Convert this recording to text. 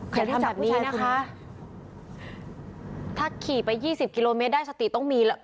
อย่าทำแบบนี้นะคะถ้าขี่ไปยี่สิบกิโลเมตรได้สติต้องมี